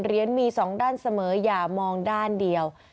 เหรียญมี๒ด้านเสมออย่ามองด้านเดียว